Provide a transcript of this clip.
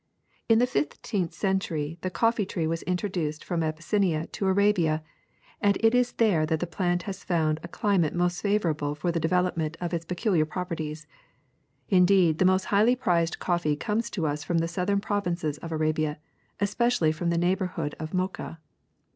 In the fifteenth century the coffee tree was intro duced from Abyssinia into Arabia, and it is there that the plant has found a climate most favorable for the development of its peculiar properties. Indeed, the most highly prized coffee comes to us from the southern provinces of Arabia, especially from the neighborhood of Mocha.